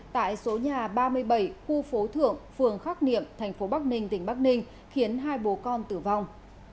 tại số nhà ba mươi bảy khu phố thượng phường khắc niệm thành phố bắc ninh tỉnh bắc ninh khiến hai bố con tử vong